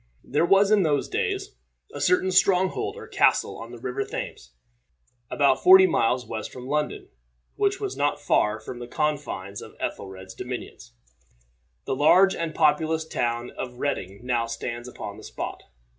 There was in those days a certain stronghold or castle on the River Thames, about forty miles west from London, which was not far from the confines of Ethelred's dominions. The large and populous town of Reading now stands upon the spot.